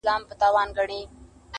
راځه د ژوند په چل دي پوه کړمه زه_